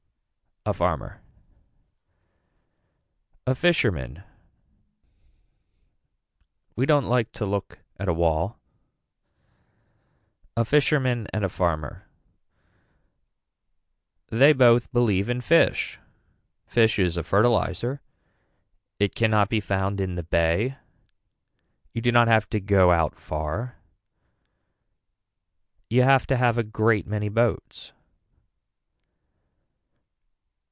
A Farmer. A fisherman. We don't like to look at a wall. A Fisherman and a farmer. They both believe in fish. Fish is a fertilizer. It cannot be found in the bay. You do not have to go out far. You have to have a great many boats.